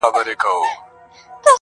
عاشقان د ترقۍ د خپل وطن یو،